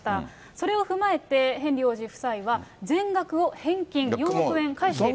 それを踏まえて、ヘンリー王子夫妻は全額を返金、４億円返しているんです。